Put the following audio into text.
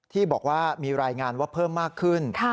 ที่บอกว่ามีรายงานว่าเพิ่มมากขึ้น